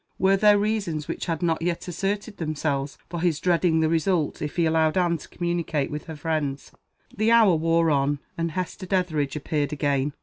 Were there reasons, which had not yet asserted themselves, for his dreading the result, if he allowed Anne to communicate with her friends? The hour wore on, and Hester Dethridge appeared again.